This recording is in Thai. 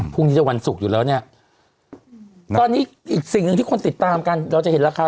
พรุ่งนี้จะวันศุกร์อยู่แล้วเนี่ยตอนนี้อีกสิ่งหนึ่งที่คนติดตามกันเราจะเห็นราคา